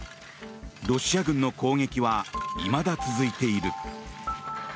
ロシア軍の攻撃はいまだ続いている。